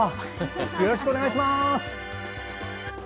よろしくお願いします！